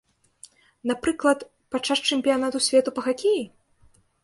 Напрыклад, падчас чэмпіянату свету па хакеі?